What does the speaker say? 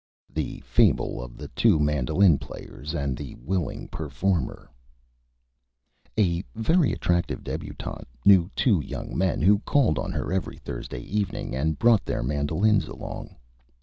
_ THE FABLE OF THE TWO MANDOLIN PLAYERS AND THE WILLING PERFORMER A very attractive Debutante knew two Young Men who called on her every Thursday Evening, and brought their Mandolins along.